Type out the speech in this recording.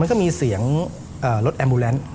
ก็มีเสียงรถแอมบูแลนซ์